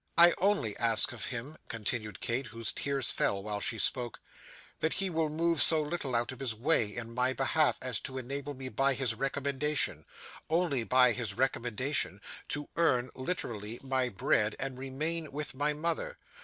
'I only ask of him,' continued Kate, whose tears fell while she spoke, 'that he will move so little out of his way, in my behalf, as to enable me by his recommendation only by his recommendation to earn, literally, my bread and remain with my mother.